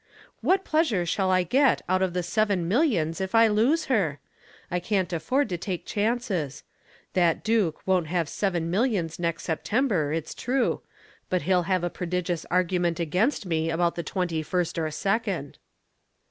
What pleasure shall I get out of the seven millions if I lose her? I can't afford to take chances. That Duke won't have seven millions next September, it's true, but he'll have a prodigious argument against me, about the twenty first or second."